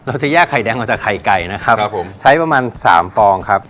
เราจะแยกไข่แดงมาจากไข่ไก่นะครับใช้ประมาณ๓ฟองครับ